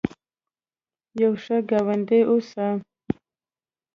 یو ښه ګاونډي اوسه